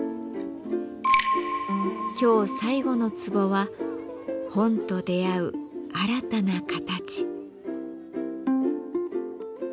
今日最後の壺は「本と出会う新たな形」。